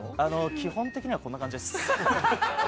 基本的には、こんな感じです。